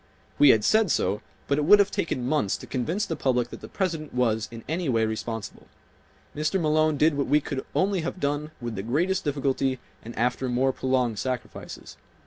We had said so but it would have taken months to convince the public that the President was in any way responsible. Mr. Malone did what we could only have done with the greatest difficulty and after more prolonged sacrifices.